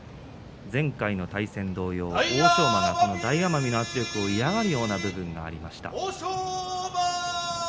前回の対戦同様大奄美の圧力を嫌がるような場面がありました。